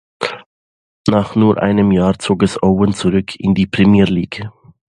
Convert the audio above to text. Nach nur einem Jahr zog es Owen zurück in die Premier League.